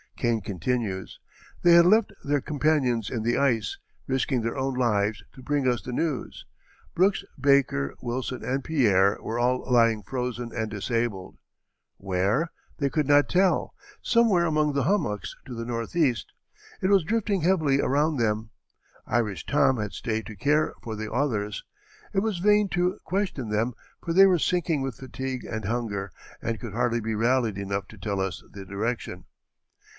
Kane continues: "They had left their companions in the ice, risking their own lives to bring us the news; Brooks, Baker, Wilson, and Pierre, were all lying frozen and disabled. Where? They could not tell; somewhere among the hummocks to the northeast; it was drifting heavily around them. Irish Tom had stayed to care for the others. It was vain to question them, for they were sinking with fatigue and hunger, and could hardly be rallied enough to tell us the direction."